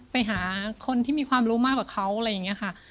ไปหาคนที่มีความรู้มากกว่าเขาอะไรอย่างนี้ค่ะ